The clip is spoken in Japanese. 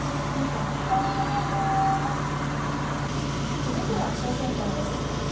続いては、気象センターです。